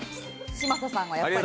嶋佐さんがやっぱり。